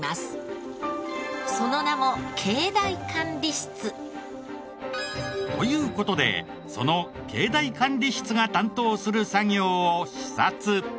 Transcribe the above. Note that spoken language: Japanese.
その名も境内管理室。という事でその境内管理室が担当する作業を視察。